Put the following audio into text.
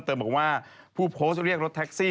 บอกว่าผู้โพสต์เรียกรถแท็กซี่